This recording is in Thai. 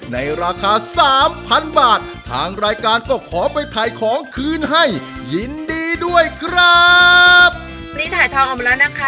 ในราคาสามพันบาททางรายการก็ขอไปถ่ายของคืนให้ยินดีด้วยครับนี่ถ่ายทองออกมาแล้วนะคะ